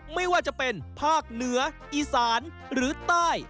ไม่ว่าจะเป็นภาคเหนืออีสานหรือใต้